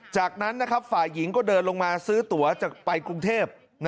จากนั้นฝ่ายหญิงก็เดินลงมาซื้อตัวจากไปกรุงเทพ